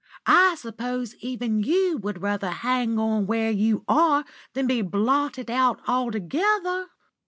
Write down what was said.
I suppose even you would rather hang on where you are than be blotted out altogether.